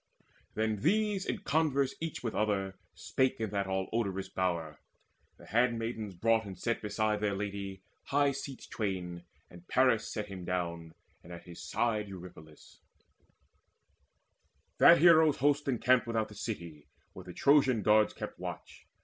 Then these in converse each with other spake In that all odorous bower. The handmaids brought And set beside their lady high seats twain; And Paris sat him down, and at his side Eurypylus. That hero's host encamped Without the city, where the Trojan guards Kept watch.